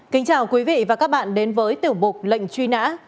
kính chào quý vị và các bạn đến với tiểu mục lệnh truy nã